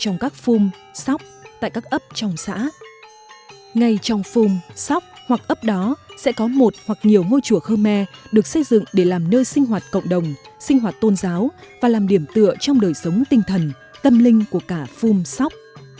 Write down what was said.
ngay trong phung sóc hoặc ấp đó sẽ có một hoặc nhiều ngôi chùa khơ me được xây dựng để làm nơi sinh hoạt cộng đồng sinh hoạt tôn giáo và làm điểm tựa trong đời sống tinh thần tâm linh của cả phung sóc